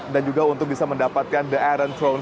dan juga untuk bisa mendapatkan the iron throne